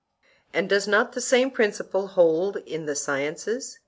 And does not the same principle hold in the sciences?